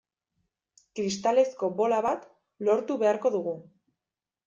Kristalezko bola bat lortu beharko dugu.